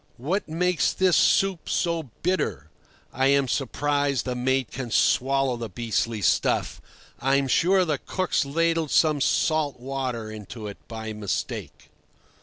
"What makes this soup so bitter? I am surprised the mate can swallow the beastly stuff. I'm sure the cook's ladled some salt water into it by mistake."